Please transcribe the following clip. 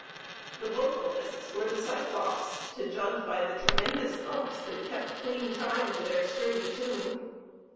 The vocalists were the Cyclops, to judge by the tremendous thumps that kept clean time to their sturdy tune.